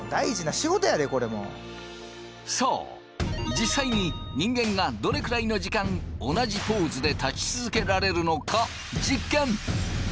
実際に人間がどれくらいの時間同じポーズで立ち続けられるのか実験！